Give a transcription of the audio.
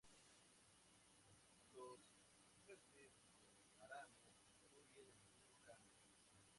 Los afluente del Marano incluyen el río Cando.